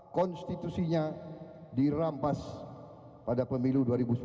konstitusinya dirampas pada pemilu dua ribu sembilan belas